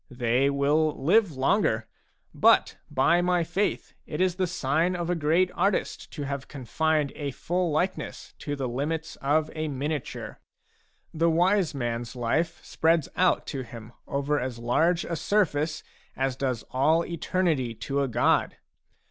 They will live longer. But, by my faith, it is the sign of a great artist to have confined a full likeness to the limits of a miniature. The wise rnans life spreads out to him over as large a surface as does all eternity to a god.